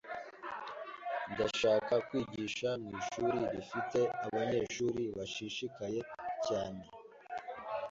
Ndashaka kwigisha mwishuri rifite abanyeshuri bashishikaye cyane.